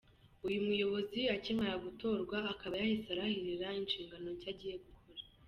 Uyu muyobozi akimara gutorwa akaba yahise arahirira inshingano nshya agiye gukora.